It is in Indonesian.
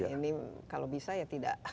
ini kalau bisa ya tidak